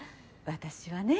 私はね